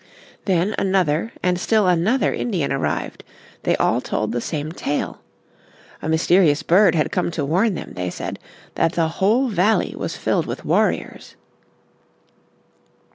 Then another and still another Indian arrived. They all told the same tale. A mysterious bird had come to warn them, they said, that the whole valley was filled with warriors.